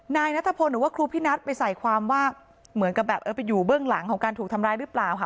นายนัทพลหรือว่าครูพินัทไปใส่ความว่าเหมือนกับแบบเออไปอยู่เบื้องหลังของการถูกทำร้ายหรือเปล่าค่ะ